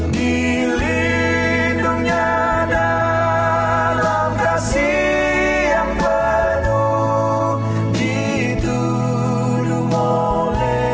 dilindungi aku di celah batu